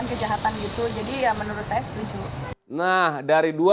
oh kesibukan masing masing ya